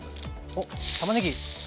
おったまねぎ。